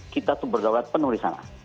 kita itu berdaulat penuh di sana